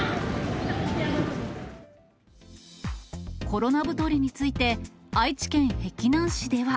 コロナ太りについて、愛知県碧南市では。